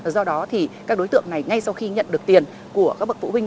do đó thì các đối tượng này ngay sau khi nhận được tiền của các bậc phụ huynh